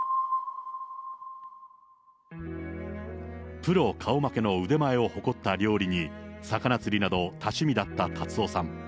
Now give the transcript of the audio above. プロ顔負けの腕前を誇った料理に、魚釣りなど多趣味だった辰夫さん。